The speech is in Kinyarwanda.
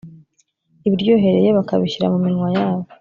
ibiryohereye bakabishyira mu minwa yabo